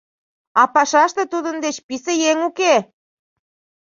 А пашаште тудын деч писе еҥ уке!